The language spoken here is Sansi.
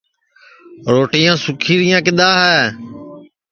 روٹِیاں سُوکی رِیاں کِدؔا ہے